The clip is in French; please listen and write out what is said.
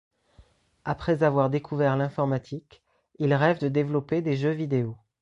Après avoir découvert l'informatique, il rêve de développer des jeux vidéo.